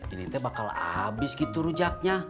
ini teh bakal habis gitu rujaknya